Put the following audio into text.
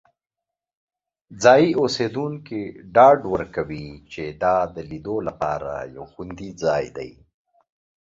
ځایی اوسیدونکي ډاډ ورکوي چې دا د لیدو لپاره یو خوندي ځای دی.